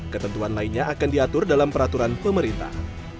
ketentuan lainnya akan diatur dalam peraturan pemerintah